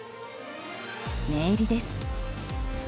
念入りです。